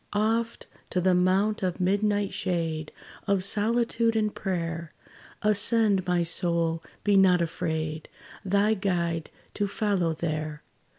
Oft to the mount of midnight shade, Of solitude and prayer, Ascend, my soul, be not afraid Thy Guide to follow there.